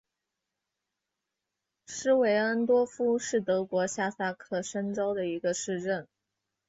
施韦因多夫是德国下萨克森州的一个市镇。